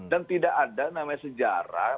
dan tidak ada namanya sejarah